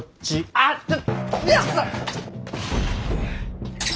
あっちょ。